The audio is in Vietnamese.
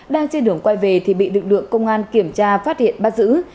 đang trên đường quay về thì bị lực lượng công an kiểm tra phát hiện bắt giữ